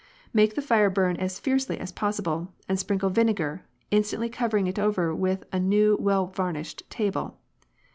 Make the fire burn as fiercely as possible, and sprinkle vinegar, instantly covering it over with a new well varnished table.